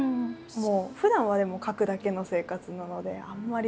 ふだんはでも書くだけの生活なのであんまり。